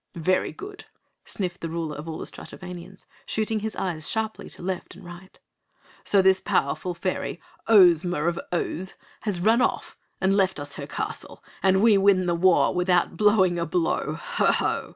"Very good," sniffed the Ruler of all the Stratovanians, shooting his eyes sharply to left and right, "so this powerful fairy Ohsma of Ohs has run off and left us her castle, and we win the war without blowing a blow! Ho, Ho!